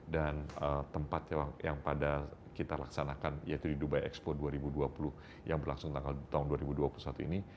dan tempat yang pada kita laksanakan yaitu di dubai expo dua ribu dua puluh yang berlangsung tanggal tahun dua ribu dua puluh satu ini